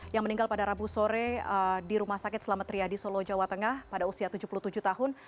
yang meninggal pada rabu sore di rumah sakit selamat ria di solo jawa tengah pada usia tujuh puluh tujuh tahun